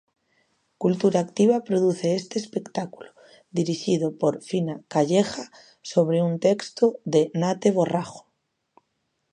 Culturactiva produce este espectáculo dirixido por Fina Calleja sobre un texto de Nate Borrajo.